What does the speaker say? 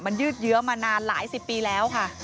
มันยืดเยื้อมานานหลายสิบปีแล้วค่ะ